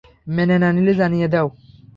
মেনে না নিলে জানিয়ে দাও।